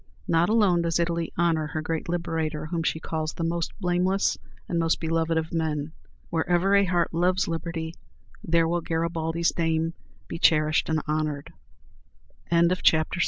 Not alone does Italy honor her great Liberator, whom she calls the "most blameless and most beloved of men." Wherever a heart loves liberty, there will Garibaldi's name be cherished and honored. JEAN PAUL RICHTER.